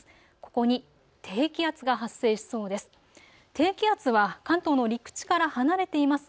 ここに低気圧が発生しそうです。